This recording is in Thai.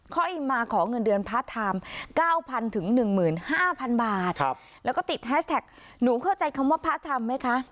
ข้ออีกมาของเงินเดือนพาร์ทไทม์เก้าพันถึงหนึ่งหมื่นห้าพันบาทครับแล้วก็ติดแฮชแท็กหนูเข้าใจคำว่าพาร์ทไทม์ไหมคะ